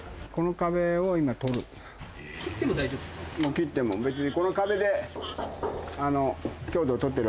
切っても別に。